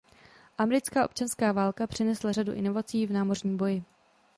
Americká občanská válka přinesla řadu inovací v námořním boji.